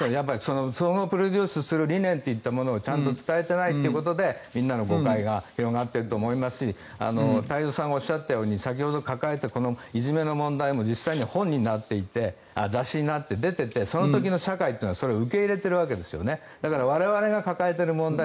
そのプロデュースする理念といったものをちゃんと伝えてないということでみんなの誤解が広がっていると思いますし太蔵さんがおっしゃったように先ほどからのいじめの問題も雑誌になって出ていてその時の社会はそれを受け入れているわけですよね。